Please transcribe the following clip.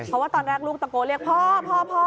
เพราะว่าตอนแรกลูกตะโกนเรียกพ่อพ่อ